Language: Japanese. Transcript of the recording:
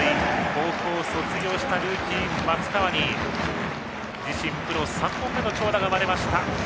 高校卒業したルーキー、松川に自身プロ３本目の長打が生まれました。